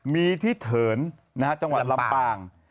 มีที่เถินจังหวัดลำปาง